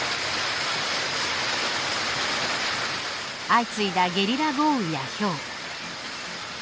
相次いだゲリラ豪雨やひょう。